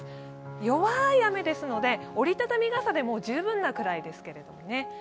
弱い雨ですので、折り畳み傘でも十分なぐらいですけれどもね。